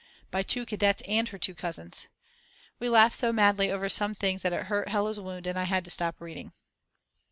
By two cadets and her two cousins. We laughed so madly over some things that it hurt Hella's wound and I had to stop reading.